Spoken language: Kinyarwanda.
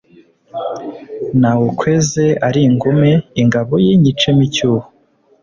Nawukweze ari ingume ingabo ye nyicamo icyuho,